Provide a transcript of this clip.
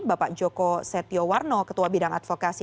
bapak joko setio warno ketua bidang advokasi